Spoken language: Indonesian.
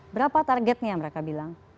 berapa targetnya mereka bilang